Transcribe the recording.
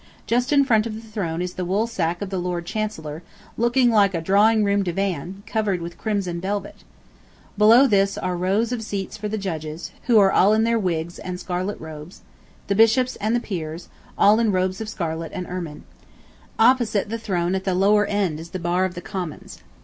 Just in front of the throne is the wool sack of the Lord Chancellor, looking like a drawing room divan, covered with crimson velvet. Below this are rows of seats for the judges, who are all in their wigs and scarlet robes; the bishops and the peers, all in robes of scarlet and ermine. Opposite the throne at the lower end is the Bar of the Commons.